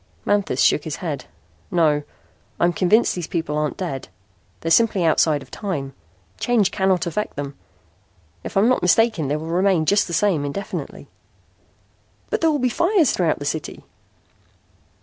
Manthis shook his head. "No. I'm convinced these people aren't dead. They're simply outside of time. Change cannot affect them. If I'm not mistaken they will remain just the same indefinitely." "But there will be fires throughout the city."